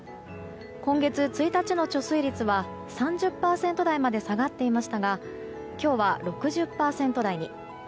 今月１日の貯水率は３０％台まで下がっていましたが今日は６０％台に。